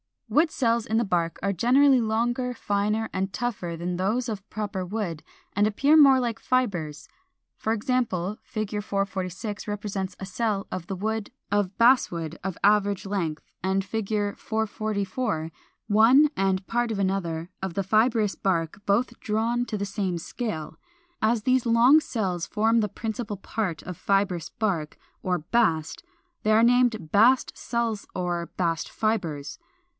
411. Wood cells in the bark are generally longer, finer, and tougher than those of the proper wood, and appear more like fibres. For example, Fig. 446 represents a cell of the wood of Basswood of average length, and Fig. 444 one (and part of another) of the fibrous bark, both drawn to the same scale. As these long cells form the principal part of fibrous bark, or bast, they are named Bast cells or Bast fibres.